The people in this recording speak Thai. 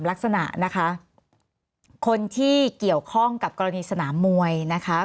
ลักษณะนะคะคนที่เกี่ยวข้องกับกรณีสนามมวยนะคะ